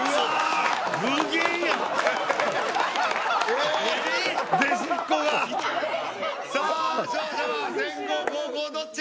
えぇさあ勝者は先攻後攻どっち？